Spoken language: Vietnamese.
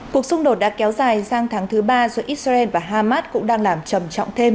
cuộc xung đột đã kéo dài sang tháng thứ ba giữa israel và hamas cũng đang làm trầm trọng thêm